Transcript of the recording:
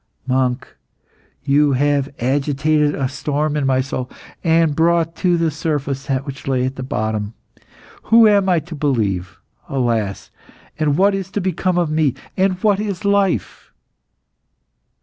Monk, you have agitated a storm in my soul, and brought to the surface that which lay at the bottom. Who am I to believe, alas! and what is to become of me and what is life?"